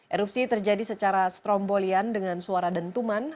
erupsi terjadi secara strombolian dengan suara dentuman